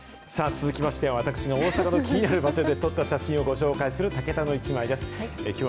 続きまして、私が大阪の気になる場所で撮った写真をご紹介するタケタのイチマイです。